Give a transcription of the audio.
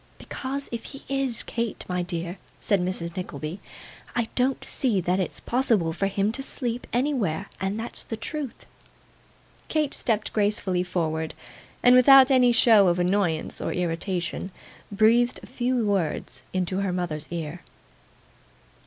'Because, if he is, Kate, my dear,' said Mrs. Nickleby, 'I don't see that it's possible for him to sleep anywhere, and that's the truth.' Kate stepped gracefully forward, and without any show of annoyance or irritation, breathed a few words into her mother's ear.